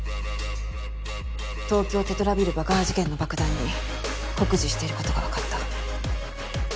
東京テトラビル爆破事件の爆弾に酷似していることがわかった。